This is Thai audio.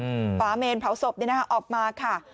เออป่าเมนเพราหสบที่นะออกมาค่ะ